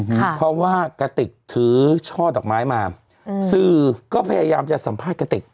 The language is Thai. เพราะว่ากระติกถือช่อดอกไม้มาอืมสื่อก็พยายามจะสัมภาษณ์กระติก